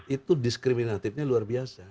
itu diskriminatifnya luar biasa